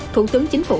thủ tướng chính phủ